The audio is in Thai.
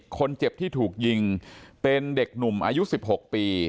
คนเจ็บที่ถูกยิงเป็นเด็กหนุ่มอายุ๑๖ปี